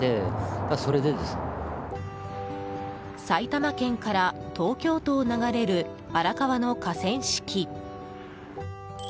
埼玉県から東京都を流れる荒川の河川敷。